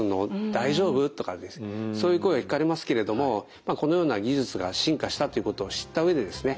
大丈夫？」とかですねそういう声が聞かれますけれどもこのような技術が進化したということを知った上でですね